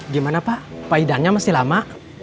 gimana pak pak idannya masih lama